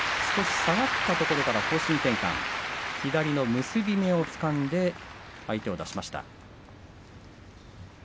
下がったところ方向転換左の結び目をつかんで相手を出しました。